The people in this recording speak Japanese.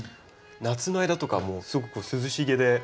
夏の間とかもうすごく涼しげで。